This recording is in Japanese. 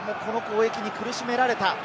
日本もこの攻撃に苦しめられた。